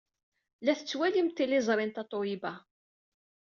La tettwalim tiliẓri n Tatoeba.